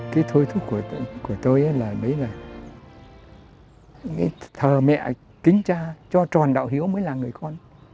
cái thôi thúc của tôi đấy là thờ mẹ kính cha cho tròn đạo hiếu mới là người con